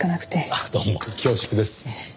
ああどうも恐縮です。